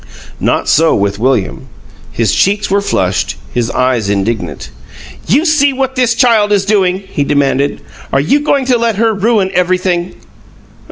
Not so with William; his cheeks were flushed, his eyes indignant. "You see what this child is doing?" he demanded. "Are you going to let her ruin everything?"